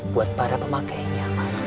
buat para pemakainya